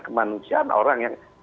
kemanusiaan orang yang